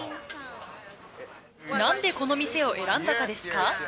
なんでこの店を選んだかですか？